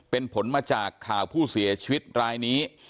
เป็นผลมาจากข่าวผู้เสียชีวิตรายนี้